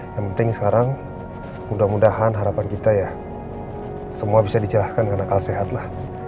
yang penting sekarang mudah mudahan harapan kita ya semua bisa dicerahkan dengan akal sehat lah